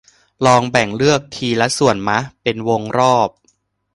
ลองแบ่งเลือกทีละส่วนมะ เป็นวงรอบ